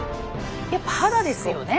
やっぱ肌ですよね。